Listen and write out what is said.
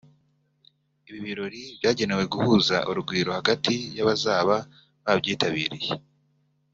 Ibi birori byagenewe guhuza urugwiro hagati y’abazaba babyitabiriye